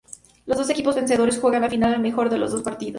Los dos equipos vencedores juegan la final al mejor de dos partidos.